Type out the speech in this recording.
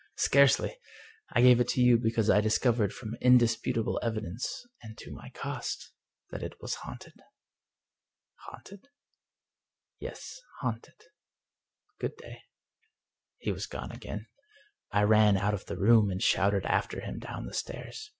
Scarcely! I gave it you because I discovered from indisputable evidence, and to my cost, that it was haunted." "Haunted?" " Yes, haunted. Good day." He was gone again. I ran out of the room, and shouted after him down the stairs.